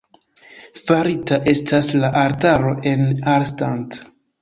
Farita estas la altaro en Arnstadt.